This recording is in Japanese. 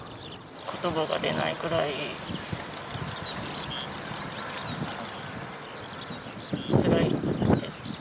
ことばが出ないくらいつらいです。